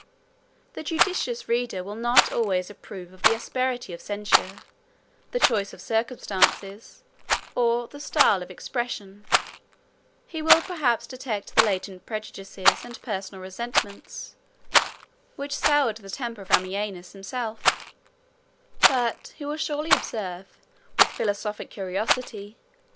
The judicious reader will not always approve of the asperity of censure, the choice of circumstances, or the style of expression; he will perhaps detect the latent prejudices, and personal resentments, which soured the temper of Ammianus himself; but he will surely observe, with philosophic curiosity, the interesting and original picture of the manners of Rome.